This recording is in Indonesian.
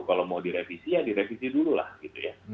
kalau mau direvisi ya direvisi dulu lah gitu ya